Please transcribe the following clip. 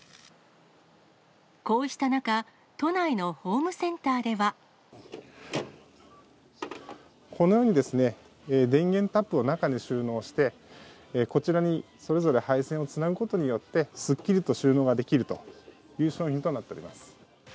こうした中、このようにですね、電源タップを中に収納して、こちらにそれぞれ配線をつなぐことによって、すっきりと収納ができるという商品となっております。